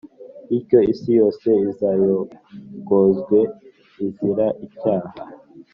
bityo isi yose izayogozwe izira icyaha,